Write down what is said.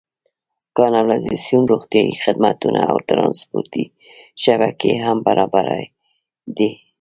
کانالیزاسیون، روغتیايي خدمتونه او ټرانسپورتي شبکې هم برابرې دي.